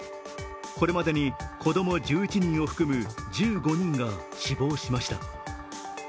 これまでに子供１１人を含む１５人が死亡しました。